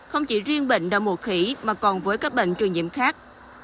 không chỉ riêng bệnh đồng mùa khỉ mà còn với các bệnh truyền nhiễm khác